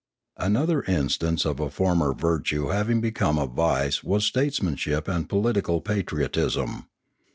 Another instance of a former virtue having become a vice was statesmanship and political patriotism.